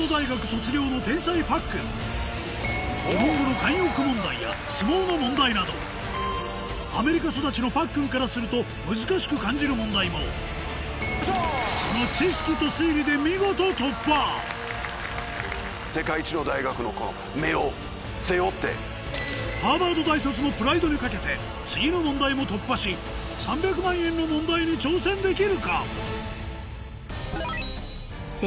日本語の慣用句問題や相撲の問題などアメリカ育ちのパックンからすると難しく感じる問題もそのハーバード大卒のプライドに懸けて次の問題も突破し３００万円の問題に挑戦できるか？